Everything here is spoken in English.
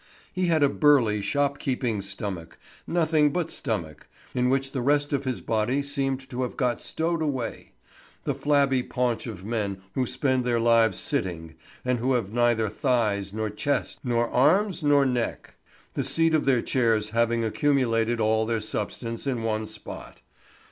He had a burly shop keeping stomach—nothing but stomach—in which the rest of his body seemed to have got stowed away; the flabby paunch of men who spend their lives sitting, and who have neither thighs, nor chest, nor arms, nor neck; the seat of their chairs having accumulated all their substance in one spot.